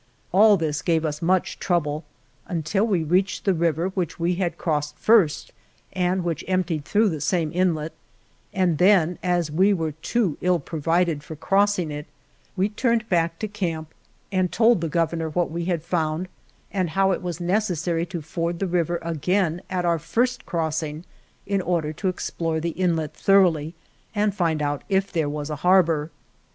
All this gave us much trouble, until we reached the river which we had crossed first, and which emptied through the same inlet, and then, as we were too ill provided for crossing it, we turned back to camp and told the Gov 20 ALVAR NUNEZ CABEZA DE VACA ernor what we had found and how it was necessary to ford the river again at our first crossing in order to explore the inlet thor oughly and find out if there was a harbor.